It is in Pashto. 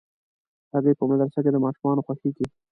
هګۍ په مدرسه کې د ماشومانو خوښېږي.